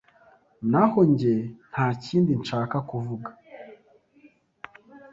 Naho njye, ntakindi nshaka kuvuga.